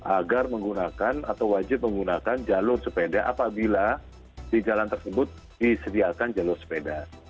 agar menggunakan atau wajib menggunakan jalur sepeda apabila di jalan tersebut disediakan jalur sepeda